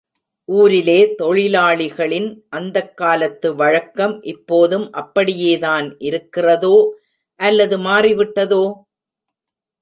ஊரிலே தொழிலாளிகளின் அந்தக் காலத்து வழக்கம் இப்போதும் அப்படியேதான் இருக்கிறதோ, அல்லது மாறிவிட்டதோ?